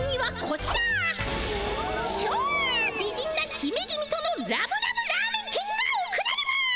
ちょう美人なひめ君とのラブラブラーメンけんがおくられます！